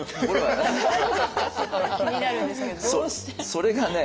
それがね